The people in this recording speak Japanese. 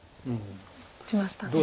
打ちましたね。